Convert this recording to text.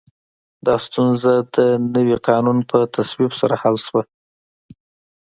دا ستونزه د نوي قانون په تصویب سره حل شوه.